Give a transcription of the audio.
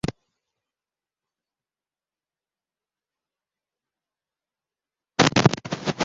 Ikipe yabakinnyi bumupira wamaguru wumukobwa biruka mukibuga